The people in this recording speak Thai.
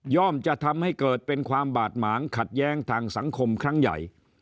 จะทำให้เกิดเป็นความบาดหมางขัดแย้งทางสังคมครั้งใหญ่